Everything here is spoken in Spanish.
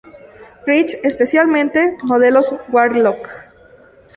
Rich especialmente modelos Warlock.